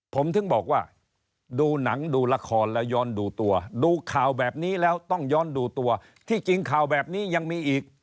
ผมถึงบอกว่าดูหนังดูละครแล้วย้อนดูตัวดูข่าวแบบนี้แล้วต้องย้อนดูตัวที่จริงข่าวแบบนี้ยังมีอีก